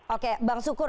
oke bang sukur